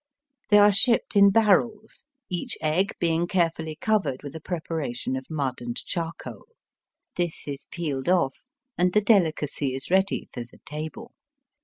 They are shipped in barrels, each egg being carefully covered with a preparation of mud and charcoal. This is peeled off and the dehcacy is ready for the table.